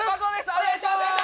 お願いします！